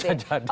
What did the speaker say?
bisa jadi gitu